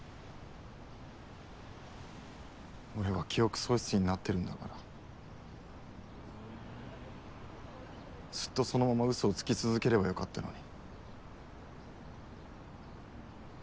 俺は記憶喪失になってるんだからずっとそのままうそをつき続ければよかったのに。